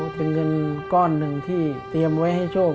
เป็นเงินก้อนหนึ่งที่เตรียมไว้ให้โชค